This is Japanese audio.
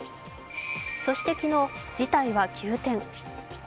そして昨日、事態は急転。